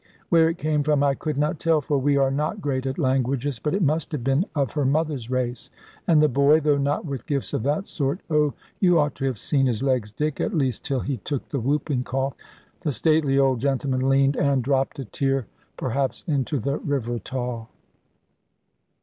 Where it came from I could not tell, for we are not great at languages: but it must have been of her mother's race. And the boy, though not with gifts of that sort oh, you ought to have seen his legs, Dick at least till he took the whooping cough!" The stately old gentleman leaned, and dropped a tear perhaps into the river Tawe.